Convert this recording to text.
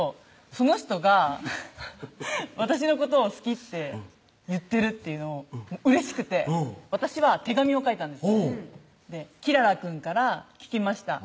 その人が私のことを好きって言ってるっていうのをうれしくて私は手紙を書いたんです「黄良々くんから聞きました」